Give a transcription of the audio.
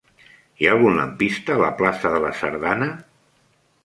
Hi ha algun lampista a la plaça de la Sardana?